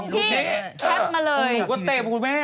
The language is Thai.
ขำตรงที่แคปมาเลย